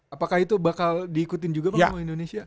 apakah itu bakal diikutin juga bang ke indonesia